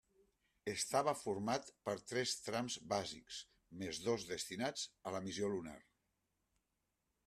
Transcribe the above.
Estava format per tres trams bàsics més dos destinats la missió lunar.